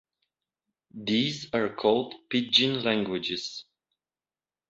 These are called "pidgin languages".